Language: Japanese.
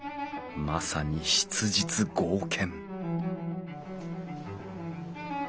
まさに質実剛健！